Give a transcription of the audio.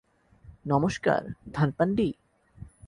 নমস্কার, ধানপান্ডি?